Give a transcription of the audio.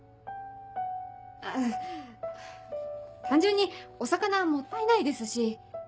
あぁ単純にお魚もったいないですし。